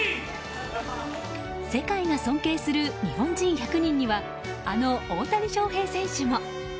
世界が尊敬する日本人１００人にはあの大谷翔平選手も。